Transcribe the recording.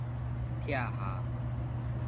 拆箬